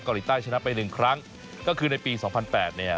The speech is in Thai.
เกาหลีใต้ชนะไปหนึ่งครั้งก็คือในปีสองพันแปดเนี่ย